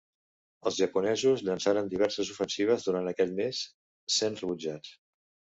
Els japonesos llançaren diverses ofensives durant aquell mes, sent rebutjats.